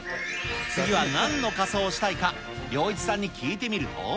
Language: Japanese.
次はなんの仮装したいか良一さんに聞いてみると。